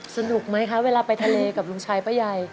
สนุกไหมคะเวลาไปทะเลกับลุงชายป้าใหญ่